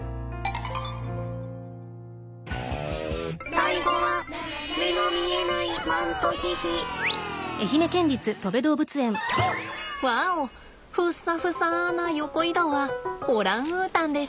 最後はワオふっさふさな横移動はオランウータンです。